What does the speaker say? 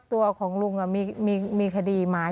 ตัวของลุงมีคดีมา